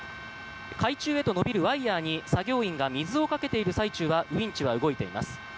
海中へと延びるワイヤに作業員が水をかけている最中はウィンチは動いています。